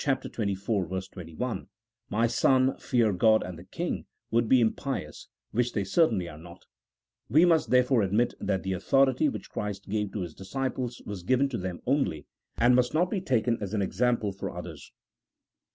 xxiv.. 21), " My son, fear God and the king," would be impious,, which they certainly are not ; we must therefore admit that the authority which Christ gave to His disciples was given to them only, and must not be taken as an example for others.